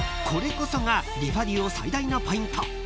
これこそがリファデュオ最大のポイント］